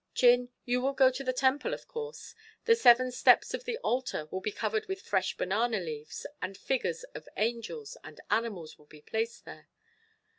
Chin, you will go to the temple, of course. The seven steps of the altar will be covered with fresh banana leaves, and figures of angels and animals will be placed there."